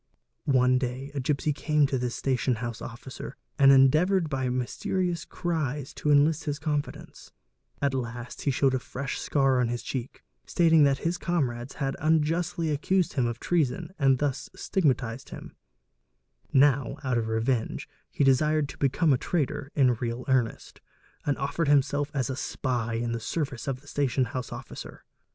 One day a gipsy came to this station house officer and endeavoured _ by mysterious cries to enlist his confidence: at last he showed a fresh scar on his cheek, stating that his comrades had unjustly accused him of treason and thus stigmatised him; now out of revenge he desired to become a traitor in real earnest; and offered himself as a spy in the service of the station house officer.